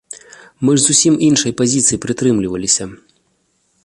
Мы ж зусім іншай пазіцыі прытрымліваемся.